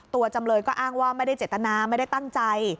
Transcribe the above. จำเลยก็อ้างว่าไม่ได้เจตนาไม่ได้ตั้งใจ